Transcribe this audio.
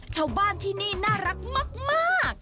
ชาวบ้านที่นี่น่ารักมาก